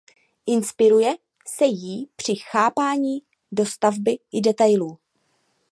Inspiruje se jí při chápání dostavby i detailů.